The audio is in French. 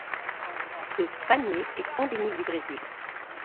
Ce palmier est endémique du Brésil.